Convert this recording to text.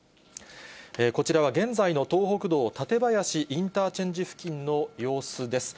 こちらは現在の東北道館林インターチェンジ付近の様子です。